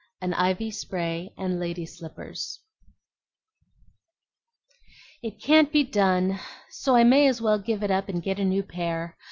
AN IVY SPRAY AND LADIES' SLIPPERS "IT can't be done! So I may as well give it I up and get a new pair.